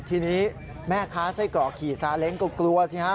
ทีนี้แม่ค้าไส้กรอกขี่ซาเล้งก็กลัวสิฮะ